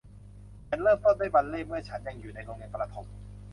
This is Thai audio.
ฉันเริ่มต้นด้วยบัลเล่ต์เมื่อฉันยังอยู่ในโรงเรียนประถม